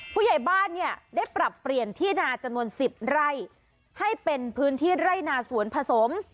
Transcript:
ผู้ใหญ่บ้านเนี่ยได้ปรับเปลี่ยนที่นาจำนวน๑๐ไร่ให้เป็นพื้นที่ไร่นาสวนผสม